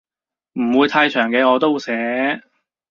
唔會太長嘅我都寫